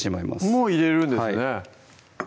もう入れるんですね